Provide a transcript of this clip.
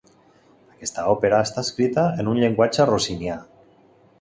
Aquesta òpera està escrita en un llenguatge rossinià.